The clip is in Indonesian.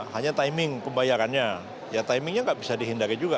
hanya timing pembayarannya ya timingnya nggak bisa dihindari juga